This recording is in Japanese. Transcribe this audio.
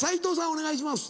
お願いします